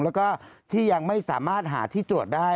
แล้วก็ที่ยังไม่สามารถหาที่ตรวจได้